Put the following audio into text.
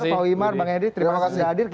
pak wiman bang edi terima kasih sudah hadir